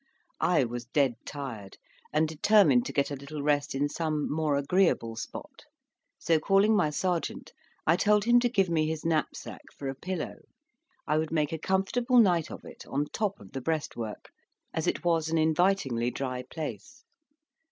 I was dead tired, and determined to get a little rest in some more agreeable spot; so calling my sergeant, I told him to give me his knapsack for a pillow; I would make a comfortable night of it on the top of the breastwork, as it was an invitingly dry place.